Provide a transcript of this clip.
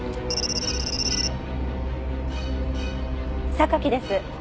榊です。